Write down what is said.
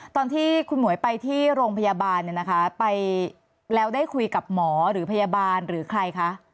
ตอนที่คุณหมวยไปที่โรงพยาบาลเนี่ยนะคะไปแล้วได้คุยกับหมอหรือพยาบาลหรือใครคะ